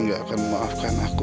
gak akan memaafkan aku